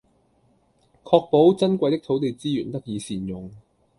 確保珍貴的土地資源得以善用